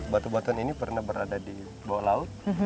batu batuan ini pernah berada di bawah laut